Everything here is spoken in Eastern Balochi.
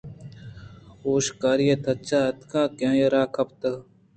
ءُشکاریءَتچانءَاتکءُ آئیءَرا گپت